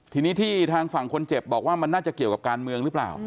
ทีนี้ที่ทางฝั่งคนเจ็บบอกว่ามันน่าจะเกี่ยวกับการเมืองหรือเปล่า